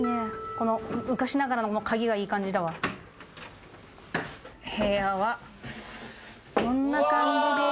この昔ながらの鍵がいい感じだわ部屋はこんな感じです